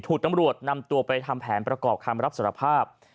ถูกตำรวจนำตัวไปทำแผนประกอบคำรับสารภาพ